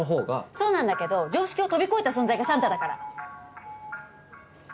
そうなんだけど常識を飛び越えた存在がサンタだから。